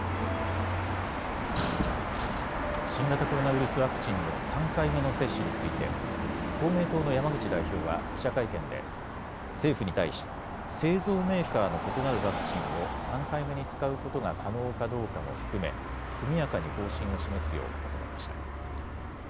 新型コロナウイルスワクチンの３回目の接種について公明党の山口代表は記者会見で政府に対し、製造メーカーの異なるワクチンを３回目に使うことが可能かどうかも含め、速やかに方針を示すよう求めました。